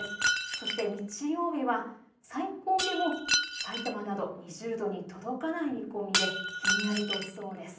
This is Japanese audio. そして日曜日は最高でもさいたまなど２０度に届かない見込みでひんやりとしそうです。